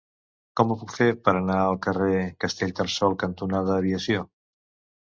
Com ho puc fer per anar al carrer Castellterçol cantonada Aviació?